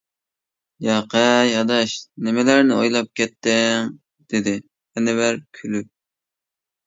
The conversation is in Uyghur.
-ياقەي ئاداش نېمىلەرنى ئويلاپ كەتتىڭ، دېدى ئەنۋەر كۈلۈپ.